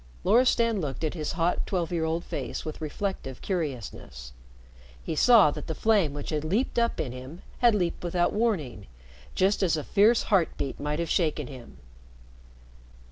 Loristan looked at his hot twelve year old face with a reflective curiousness. He saw that the flame which had leaped up in him had leaped without warning just as a fierce heart beat might have shaken him.